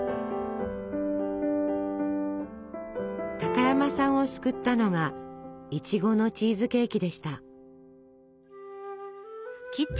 高山さんを救ったのがいちごのチーズケーキでした。